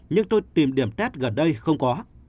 nhưng tôi tìm điểm test gần đây không có